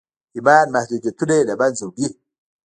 ايمان محدوديتونه له منځه وړي.